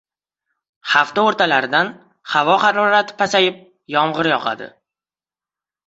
Hafta o‘rtalaridan havo harorati pasayib, yomg‘ir yog‘adi